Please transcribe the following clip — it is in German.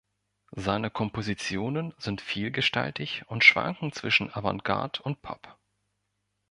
Seine Kompositionen sind vielgestaltig und schwanken zwischen Avantgarde und Pop.